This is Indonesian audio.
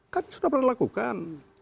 kan sudah pernah dilakukan